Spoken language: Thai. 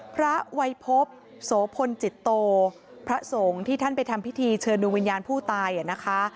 พระวัยพบโสพลจิตโตพระสงฆ์ที่ท่านไปทำพิธีเชิญดวงวิญญาณผู้ตายนะคะ